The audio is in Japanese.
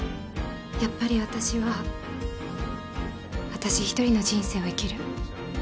やっぱり私は私１人の人生を生きる。